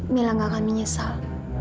mila nggak akan menyesal